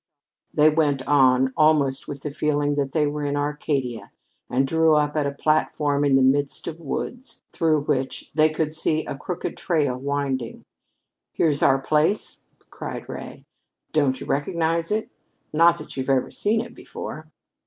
They went on, almost with the feeling that they were in Arcadia, and drew up at a platform in the midst of woods, through which they could see a crooked trail winding. "Here's our place!" cried Ray. "Don't you recognize it? Not that you've ever seen it before."